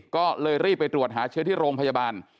ก็เลยรีบไปตรวจหาเชื้อที่โรงพยาบาล